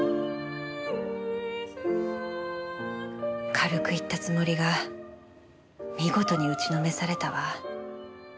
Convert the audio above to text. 軽く言ったつもりが見事に打ちのめされたわ。